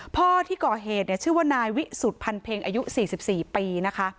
พ่อที่ก่อเหตุชื่อว่านายวิสุทธิพันเพ็งอายุ๔๔ปีนะคะ